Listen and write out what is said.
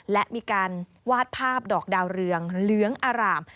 และมีการวาดภาพดอกดาวเรืองเหลืองอร่าม